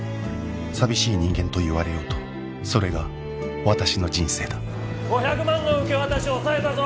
寂しい人間と言われようとそれが私の人生だ５００万の受け渡し押さえたぞ！